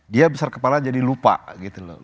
dia besar kepala jadi lupa gitu loh